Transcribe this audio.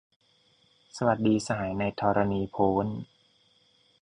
สวัสดีสหายในธรณีโพ้น